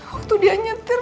waktu dia nyetir